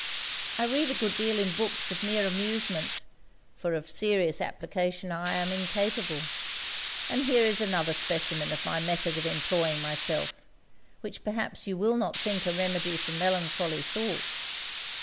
I read a good deal in books of mere amusement, for of serious application I am incapable; and here is another specimen of my method of employing myself, which perhaps you will not think a remedy for melancholy thoughts.'